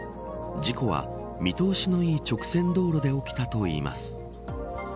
事故は見通しのいい直線道路で起きたといいます。